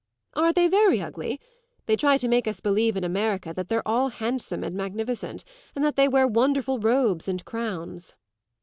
"Are they very ugly? They try to make us believe in America that they're all handsome and magnificent and that they wear wonderful robes and crowns."